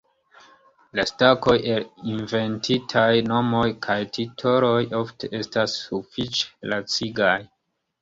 La stakoj el inventitaj nomoj kaj titoloj ofte estas sufiĉe lacigaj.